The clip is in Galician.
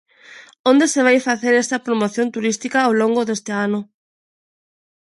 ¿Onde se vai facer esta promoción turística ao longo deste ano?